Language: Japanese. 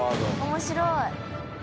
面白い。